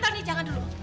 anoni jangan dulu